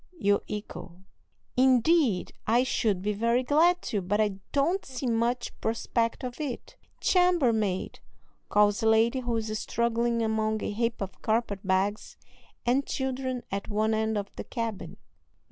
you echo. "Indeed, I should be very glad to, but I don't see much prospect of it." "Chambermaid!" calls a lady who is struggling among a heap of carpet bags and children at one end of the cabin.